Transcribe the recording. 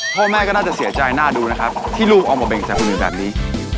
พ่อแม่ก็น่าจะเสียใจหน้าดูนะครับที่ลูกออกมาเป็นกันแบบนี้